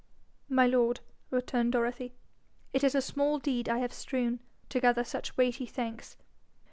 'My lord,' returned Dorothy, 'it is a small deed I have strewn to gather such weighty thanks.'